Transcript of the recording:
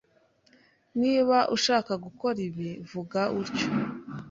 Niba udashaka gukora ibi, vuga utyo.